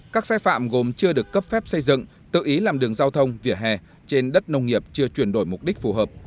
các sai phạm gồm chưa được cấp phép xây dựng tự ý làm đường giao thông vỉa hè trên đất nông nghiệp chưa chuyển đổi mục đích phù hợp